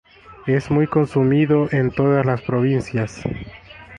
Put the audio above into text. Es muy consumido en todas las provincias.